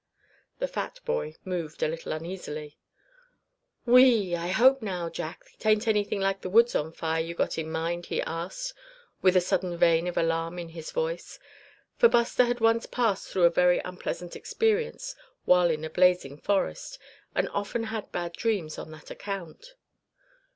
The fat boy moved a little uneasily. "Whee! I hope now, Jack, it ain't anything like the woods on fire you got in mind," he asked, with a sudden vein of alarm in his voice; for Buster had once passed through a very unpleasant experience while in a blazing forest, and often had bad dreams on that account.